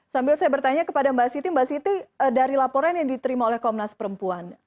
sambil saya bertanya kepada mbak siti mbak siti dari laporan yang diterima oleh komnas perempuan